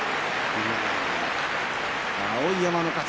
碧山の勝ち。